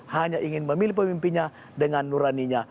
hanya ingin memilih pemimpinnya dengan nuraninya